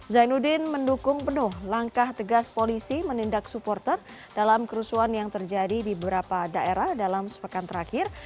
zainuddin mendukung penuh langkah tegas polisi menindak supporter dalam kerusuhan yang terjadi di beberapa daerah dalam sepekan terakhir